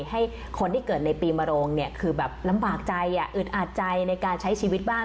ให้คนที่เกิดในปีมโรงเนี่ยคือแบบลำบากใจอึดอาจใจในการใช้ชีวิตบ้าน